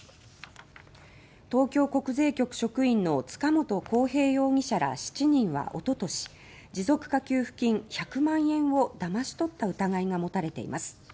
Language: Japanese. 東京国税局職員の塚本晃平容疑者ら７人はおととし持続化給付金１００万円をだまし取った疑いが持たれています。